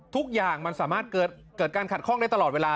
ทุกอย่างมันสามารถเกิดการขัดข้องได้ตลอดเวลา